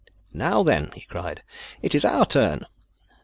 "Now then," he cried, "it is our turn."